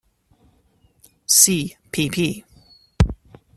See pp.